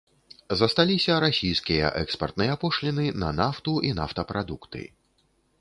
Засталіся расійскія экспартныя пошліны на нафту і нафтапрадукты.